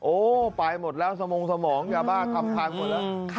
โอ้ไปหมดแล้วสมงสมองยาบ้าทำพังหมดแล้ว